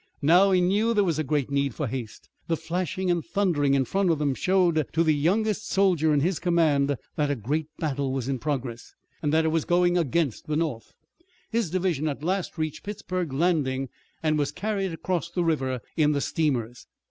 Now he knew there was great need for haste. The flashing and thundering in front of them showed to the youngest soldier in his command that a great battle was in progress, and that it was going against the North. His division at last reached Pittsburg Landing and was carried across the river in the steamers.